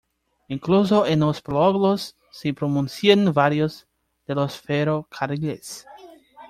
Incluso en los prólogos se promocionan varios de los ferrocarriles.